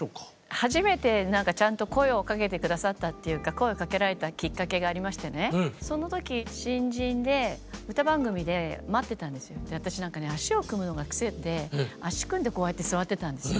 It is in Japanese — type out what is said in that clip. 初めてちゃんと声をかけて下さったっていうか声をかけられたきっかけがありましてねその時新人で私ね足を組むのが癖で足組んでこうやって座ってたんですよ。